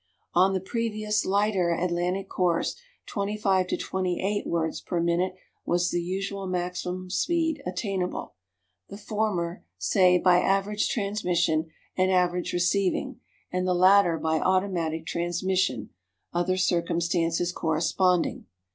On the previous, lighter, Atlantic cores twenty five to twenty eight words per minute was the usual maximum speed attainable; the former, say, by average transmission and average receiving, and the latter by automatic transmission other circumstances corresponding.